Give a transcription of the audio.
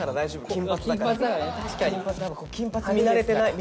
金髪見慣れてない見